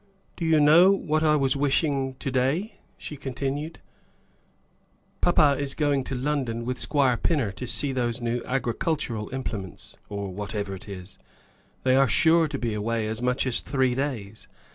Do you know what I was wishing to day?" she continued. "Papa is going to London with Squire Pinner to see those new agricultural implements or whatever it is. They are sure to be away as much as three days.